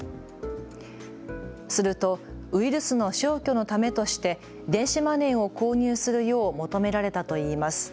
するとウイルスの消去のためとして電子マネーを購入するよう求められたといいます。